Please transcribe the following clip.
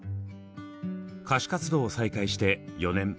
歌手活動を再開して４年。